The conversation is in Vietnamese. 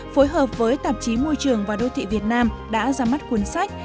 phối hợp với tạp chí môi trường và đô thị việt nam đã ra mắt cuốn sách